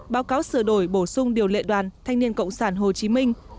báo cáo sửa đổi bổ sung điều lệ đoàn thanh niên cộng sản hồ chí minh